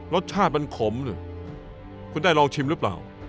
รสชาติมันขมหรือคุณได้ลองชิมหรือเปล่า